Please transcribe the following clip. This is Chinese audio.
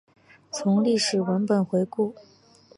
从历史文本回顾